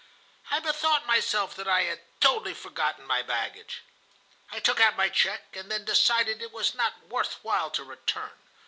"I bethought myself that I had totally forgotten my baggage. I took out my check, and then decided it was not worth while to return.